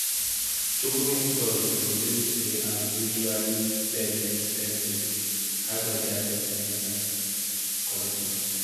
Chogokin toys produced today are usually fairly expensive, high-quality items aimed at collectors.